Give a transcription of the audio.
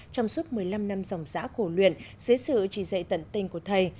trong suốt một mươi năm năm dòng giã cổ luyện dưới sự chỉ dạy tận tình của thầy